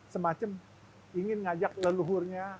semacam ingin ngajak leluhurnya